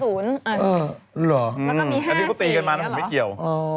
อันนี้เขาตีกันมานะผมไม่เกี่ยว